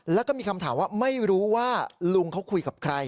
แล้วก็มีคำถามว่าไม่รู้ว่าลุงเขาคุยกับใคร